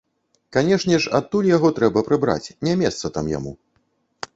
Канешне ж, адтуль яго трэба прыбіраць, не месца там яму.